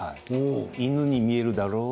犬に見えるだろう？